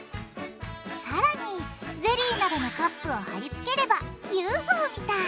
さらにゼリーなどのカップを貼りつければＵＦＯみたい！